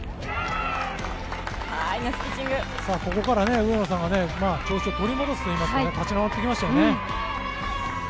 ここから上野さんが調子を取り戻すといいますか立ち直ってきましたよね。